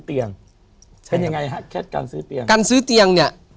ต้องการซื้อเตียม